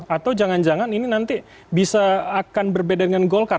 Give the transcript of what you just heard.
atau jangan jangan ini nanti bisa akan berbeda dengan golkar